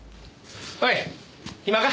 おい暇か？